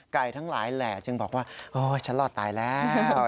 ไก่ทั้งหลายแหล่วคงบอกว่าฉันรอตายแล้ว